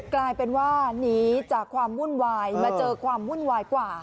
กลายเป็นว่าหนีจากความวุ่นวายมาเจอความวุ่นวายกว่า